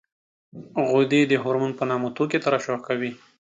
غدې د هورمون په نامه توکي ترشح کوي.